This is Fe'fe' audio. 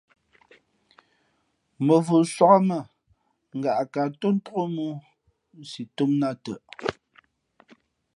Mᾱvǒ sōk á mâ : ngaꞌkǎꞌ tō ntók mōō, nsi tōm nᾱ ā tα.